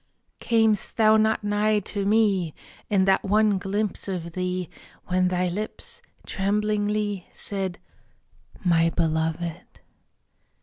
Cam'st thou not nigh to me In that one glimpse of thee When thy lips, tremblingly, Said: "My Beloved."